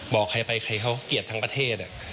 บอกใครไปใครเขาเกลียดทั้งประเทศ